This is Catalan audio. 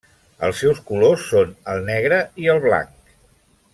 Els seus colors són el negre i el blanc.